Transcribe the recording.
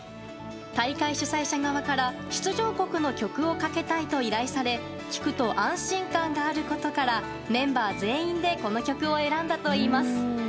大会主催者側から出場国の曲をかけたいと依頼され聴くと安心感があることからメンバー全員でこの曲を選んだといいます。